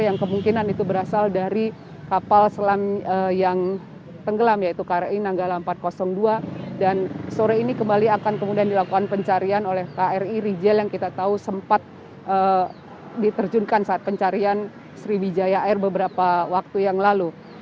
yang kemungkinan itu berasal dari kapal selam yang tenggelam yaitu kri nanggala empat ratus dua dan sore ini kembali akan kemudian dilakukan pencarian oleh kri rigel yang kita tahu sempat diterjunkan saat pencarian sriwijaya air beberapa waktu yang lalu